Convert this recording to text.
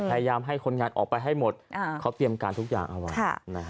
พยายามให้คนงานออกไปให้หมดเขาเตรียมการทุกอย่างเอาไว้